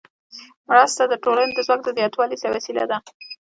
مرسته د ټولنې د ځواک د زیاتوالي وسیله ده.